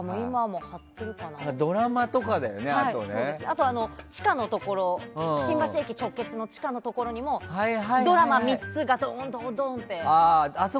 そうですね、あと地下のところ新橋駅直結の地下のところにもドラマ３つがドン、ドン、ドーンって。